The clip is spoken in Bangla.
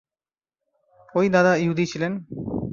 ঐ দাদা ইহুদি ছিলেন।